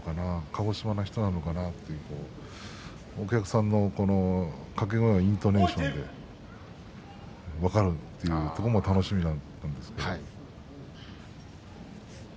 鹿児島の人なのかな？ってお客さんの掛け声やイントネーションで分かるというところも楽しみだったんです。